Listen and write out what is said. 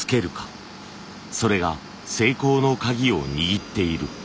それが成功のカギを握っている。